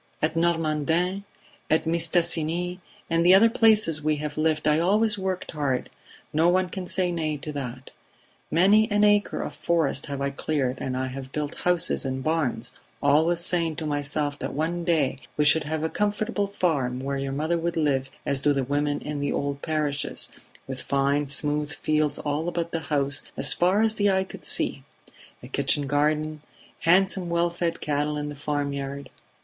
"At Normandin, at Mistassini and the other places we have lived I always worked hard; no one can say nay to that. Many an acre of forest have I cleared and I have built houses and barns, always saying to myself that one day we should have a comfortable farm where your mother would live as do the women in the old parishes, with fine smooth fields all about the house as far as the eye could see, a kitchen garden, handsome well fed cattle in the farm yard